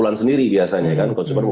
apa akan ditemukan dia ters hp atau apa